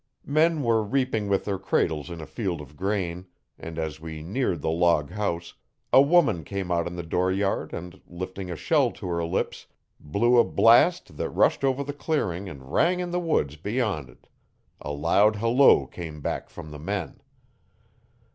Men were reaping with their cradles in a field of grain and, as we neared the log house, a woman came out in the dooryard and, lifting a shell to her lips, blew a blast that rushed over the clearing and rang in the woods beyond it A loud halloo came back from the men.